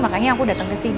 makanya aku datang kesini